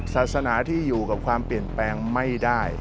ศาสนาที่อยู่กับความเปลี่ยนแปลงไม่ได้